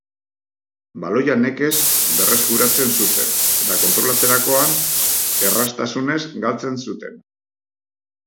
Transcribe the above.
Baloia nekez berreskuratzen zuten eta kontrolatzerakoan errastazunez galtzen zuten.